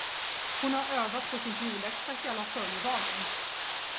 Hon har övat på sin fiolläxa hela förmiddagen.